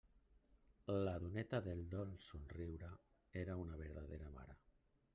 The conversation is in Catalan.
La doneta del dolç somriure era una verdadera mare.